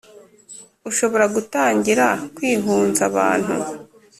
ushobora gutangira kwihunza abantu